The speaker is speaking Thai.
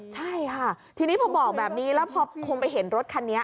ใช่ค่ะทีนี้พอบอกแบบนี้แล้วพอคงไปเห็นรถคันนี้